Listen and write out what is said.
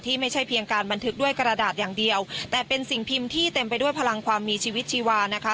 ไม่ใช่เพียงการบันทึกด้วยกระดาษอย่างเดียวแต่เป็นสิ่งพิมพ์ที่เต็มไปด้วยพลังความมีชีวิตชีวานะคะ